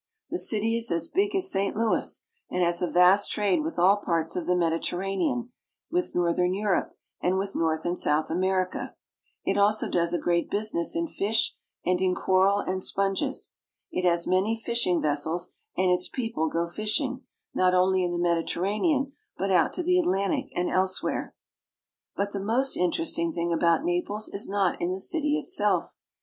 The city is as big as St. Louis, and has a vast trade with all parts of the Mediterranean, with northern Europe, and with North and South America. It also does a great business in fish and in coral and sponges. It has many fishing vessels, and its people go fishing, not only in the Mediterranean, but out to the Atlantic and elsewhere. But the most interesting thing about Naples is not in the city itself.